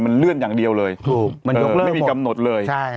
มันเลื่อนอย่างเดียวเลยไม่มีกำหนดเลย